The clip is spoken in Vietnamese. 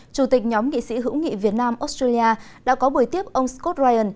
chủ tịch nhóm nghị sĩ hữu nghị việt nam australia đã có buổi tiếp ông scott ryan